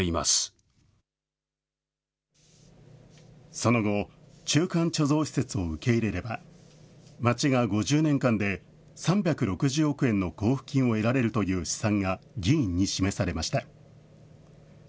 その後、中間貯蔵施設を受け入れれば、町が５０年間で３６０億円の交付金を得られるという試算が議員に示されました。